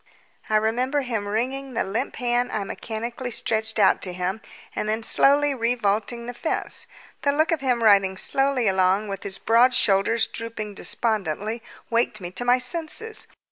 I remember him wringing the limp hand I mechanically stretched out to him and then slowly revaulting the fence. The look of him riding slowly along with his broad shoulders drooping despondently waked me to my senses.